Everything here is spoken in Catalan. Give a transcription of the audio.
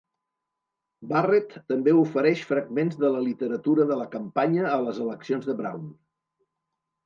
Barrett també ofereix fragments de la literatura de la campanya a les eleccions de Brown.